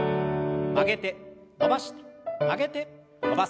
曲げて伸ばして曲げて伸ばす。